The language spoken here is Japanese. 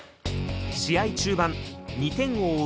試合中盤２点を追う